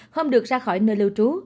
không được ra khỏi nơi lưu trú